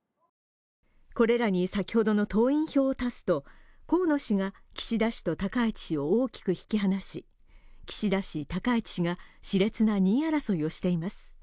これらに先ほどの党員票を足すと、河野氏が岸田氏と高市氏を大きく引き離し、岸田氏、高市氏がしれつな２位争いをしています。